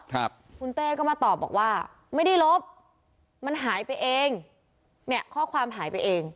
ครับคุณเต้ก็มาตอบบอกว่าไม่ได้ลบมันหายไปเองเนี่ยข้อความหายไปเอง